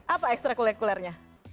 apa ekstra kulikulernya